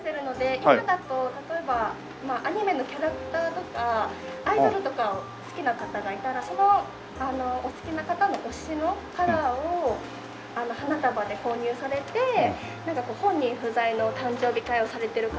今だと例えばアニメのキャラクターとかアイドルとかを好きな方がいたらそのお好きな方の推しのカラーを花束で購入されて本人不在の誕生日会をされてる方とかもいるんです。